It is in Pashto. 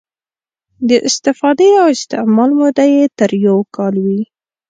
د استفادې او استعمال موده یې تر یو کال وي.